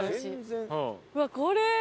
うわっこれ。